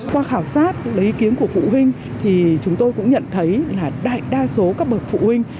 qua khảo sát lấy ý kiến của phụ huynh thì chúng tôi cũng nhận thấy là đại đa số các bậc phụ huynh